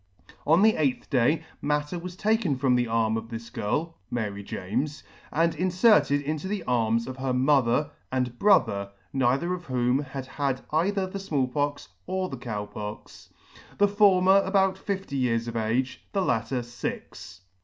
On the eighth day matter was taken from the arm of this girl, (Mary James,) and inferted into the arms of her mother and brother, (neither of whom had had either the Small Pox or the Cow Pox,) the former about fifty years of age, the latter fix.